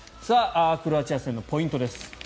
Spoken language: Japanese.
クロアチア戦のポイントです。